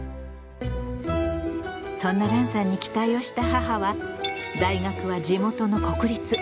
そんなランさんに期待をした母は「大学は地元の国立。